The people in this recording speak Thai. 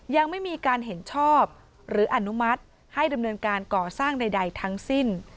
ยังไม่มีการเห็นชอบหรืออนุมัติให้ดำเนินการก่อสร้างใดทั้งสิ้น